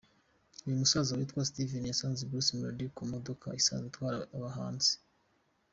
Uyu musaza witwa Steven yasanze Bruce Melodie ku mudoka isanzwe itwara abahanzi.